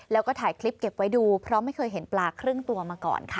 แล้วก็ถ่ายคลิปเก็บไว้ดูเพราะไม่เคยเห็นปลาครึ่งตัวมาก่อนค่ะ